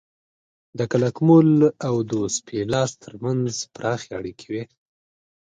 د کلاکمول او دوس پیلاس ترمنځ پراخې اړیکې وې